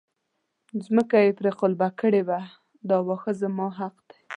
ځمکه یې پرې قلبه کړې وه دا واښه زما حق دی.